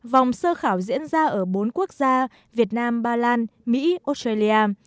vòng sơ khảo diễn ra ở bốn quốc gia việt nam ba lan mỹ australia